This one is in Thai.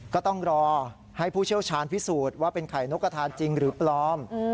ก็ต้องรอให้ผู้เชี่ยวชาญพิสูจน์ว่าเป็นไข่นกกระทานจริงหรือปลอม